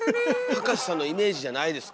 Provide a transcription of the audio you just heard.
葉加瀬さんのイメージじゃないですか？